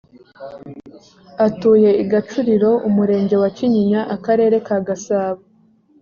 atuye i gacuriro umurenge wa kinyinya akarere ka gasabo